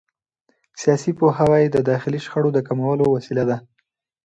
سیاسي پوهاوی د داخلي شخړو د کمولو وسیله ده